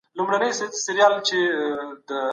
ما تېره شپه خپل درسونه بشپړ کړل.